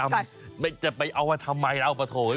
ไม่จะไปเอาว่าทำไมเอาประโทษ